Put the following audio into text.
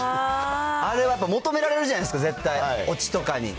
あれは求められるじゃないですか、絶対、おちとかに。